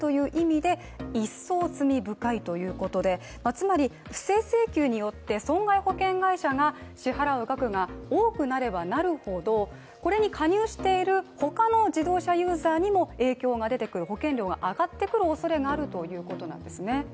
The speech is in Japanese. つまり不正請求によって損害保険会社が支払う額が多くなればなるほどこれに加入している他の自動車ユーザーにも影響が出てくる、保険料が上がってくるおそれがあるということなんですね。